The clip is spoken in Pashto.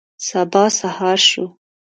سبا سهار شو.